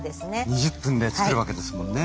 ２０分で作るわけですもんね。